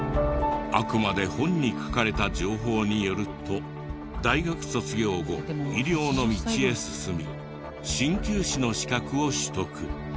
あくまで本に書かれた情報によると大学卒業後医療の道へ進み鍼灸師の資格を取得。